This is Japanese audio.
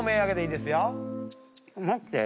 待って。